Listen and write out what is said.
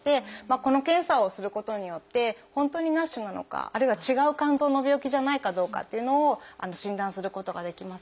この検査をすることによって本当にＮＡＳＨなのかあるいは違う肝臓の病気じゃないかどうかっていうのを診断することができます。